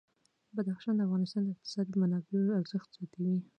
بدخشان د افغانستان د اقتصادي منابعو ارزښت زیاتوي.